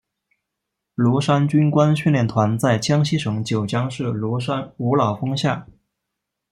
庐山军官训练团在江西省九江市庐山五老峰下。